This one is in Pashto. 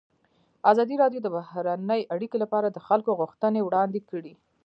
ازادي راډیو د بهرنۍ اړیکې لپاره د خلکو غوښتنې وړاندې کړي.